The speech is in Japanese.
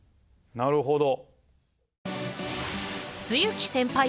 なるほど。